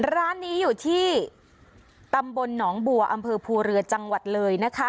ร้านนี้อยู่ที่ตำบลหนองบัวอำเภอภูเรือจังหวัดเลยนะคะ